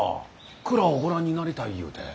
蔵をご覧になりたいゆうて。